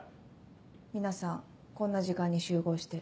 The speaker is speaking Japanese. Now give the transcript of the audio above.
皆さんこんな時間に集合して。